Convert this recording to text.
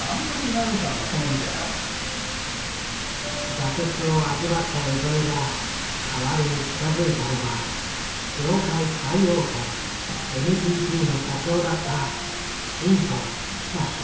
挫折を味わった江副が代わりに近づいたのは業界最大手ＮＴＴの社長だった真藤恒。